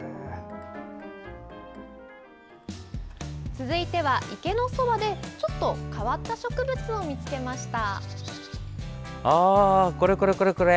続いては、池のそばでちょっと変わった植物を見つけました。